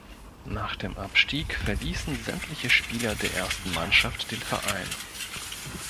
Nach dem Abstieg verließen sämtliche Spieler der ersten Mannschaft den Verein.